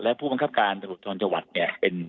และผู้มังคับการฟรรดิธรรมค์จังหวัดเนี่ย